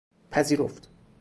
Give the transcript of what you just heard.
پذیرفت